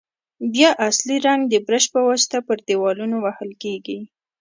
بیا اصلي رنګ د برش په واسطه پر دېوالونو وهل کیږي.